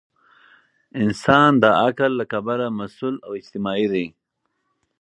انسان د عقل له کبله مسؤل او اجتماعي دی.